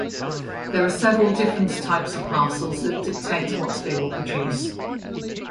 There are several different types of parcels that dictate what they will produce.